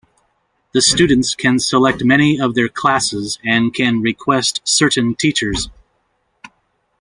The students can select many of their classes and can request certain teachers.